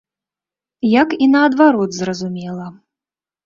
Як і наадварот, зразумела.